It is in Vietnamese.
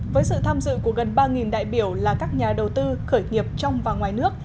với sự tham dự của gần ba đại biểu là các nhà đầu tư khởi nghiệp trong và ngoài nước